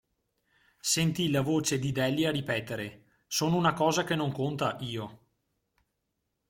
Sentì la voce di Delia ripetere: Sono una cosa che non conta, io!